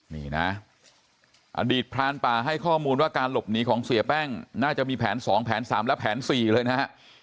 นี่นะอดีตพรานป่าให้ข้อมูลว่าการหลบหนีของเสียแป้งน่าจะมีแผน๒แผน๓และแผน๔เลยนะฮะ